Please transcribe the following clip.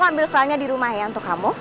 ambil filenya di rumah ya untuk kamu